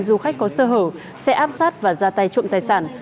du khách có sơ hở sẽ áp sát và ra tay trộm tài sản